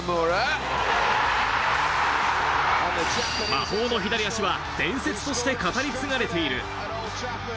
魔法の左足は伝説として語り継がれている。